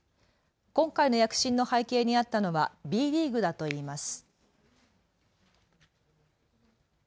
今回の躍進の背景にあったのはＢリーグだといいます。